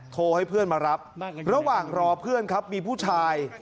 โทรให้เพื่อนมารับระหว่างรอเพื่อนครับมีผู้ชาย